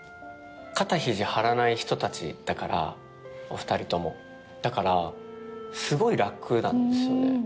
肩肘張らない人達だからお二人ともだからすごい楽なんですよね